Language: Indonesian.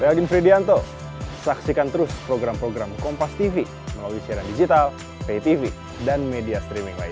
saya ogin fredianto saksikan terus program program kompastv melalui siaran digital paytv dan media streaming lain